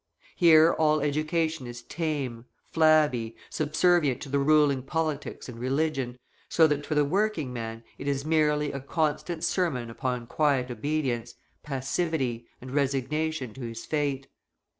Here all education is tame, flabby, subservient to the ruling politics and religion, so that for the working man it is merely a constant sermon upon quiet obedience, passivity, and resignation to his fate.